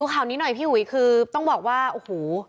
ข่าวนี้หน่อยพี่อุ๋ยคือต้องบอกว่าโอ้โห